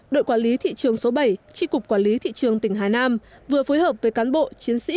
đội quản lý thị trường số bảy tri cục quản lý thị trường tỉnh hà nam vừa phối hợp với cán bộ chiến sĩ